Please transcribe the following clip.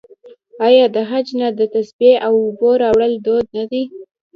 آیا د حج نه د تسبیح او اوبو راوړل دود نه دی؟